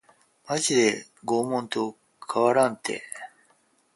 マジで拷問と変わらんて